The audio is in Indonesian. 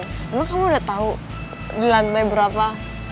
emang kamu udah tahu di lantai berapa